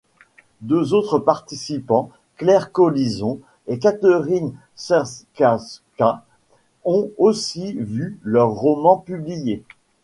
Deux autres participants, Claire Collison et Catherine Czerkawska, ont aussi vu leurs romans publiés.